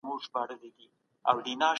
قدرت سته.